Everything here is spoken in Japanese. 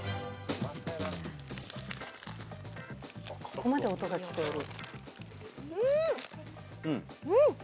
ここまで音が聞こえる。